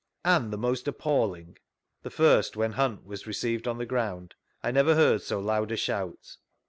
And the most appalling ?— The first, when Hunt was received on the ground; I never heard so loud a shout.